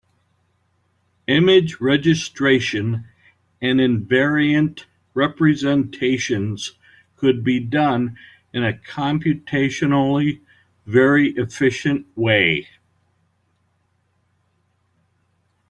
Image registration and invariant representations could both be done in a computationally very efficient way.